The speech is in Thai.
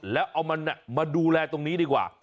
แล้วเอามันมาดูแลตรงนี้ดีกว่า